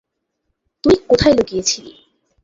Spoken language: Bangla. তুই কোথায় লুকিয়ে ছিলি?